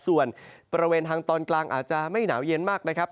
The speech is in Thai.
ส่วนบริเวณทางตอนกลางอาจจะไม่หนาวเย็นมากนะครับ